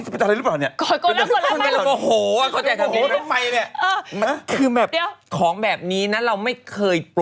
พูดสำนึกจริงรึเปล่าเนี้ย